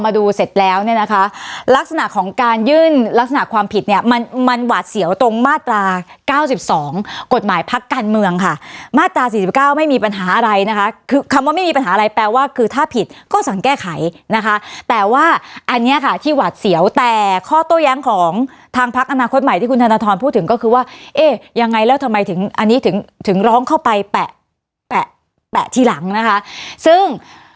ดูเสร็จแล้วเนี่ยนะคะลักษณะของการยื่นลักษณะความผิดเนี่ยมันมันหวัดเสี่ยวตรงมาตราเก้าสิบสองกฎหมายพักการเมืองค่ะมาตราสี่สิบเก้าไม่มีปัญหาอะไรนะคะคือคำว่าไม่มีปัญหาอะไรแปลว่าคือถ้าผิดก็สั่งแก้ไขนะคะแต่ว่าอันเนี้ยค่ะที่หวัดเสี่ยวแต่ข้อโต้แย้งของทางพักอนาคตใหม่ที่คุณธน